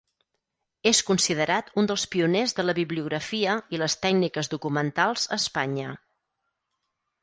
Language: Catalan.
És considerat un dels pioners de la bibliografia i les tècniques documentals a Espanya.